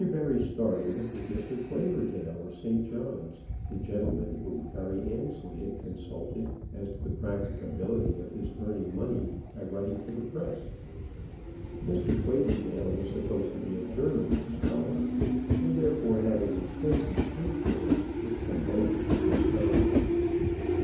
Barry started, with Mr. Quaverdale, of St. John's, the gentleman whom Harry Annesley had consulted as to the practicability of his earning money by writing for the Press. Mr. Quaverdale was supposed to be a German scholar, and therefore had his expenses paid for him, with some bonus for his time.